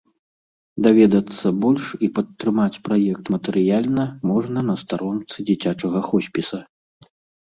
Даведацца больш і падтрымаць праект матэрыяльна можна на старонцы дзіцячага хоспіса.